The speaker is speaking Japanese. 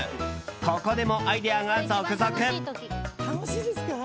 ここでもアイデアが続々。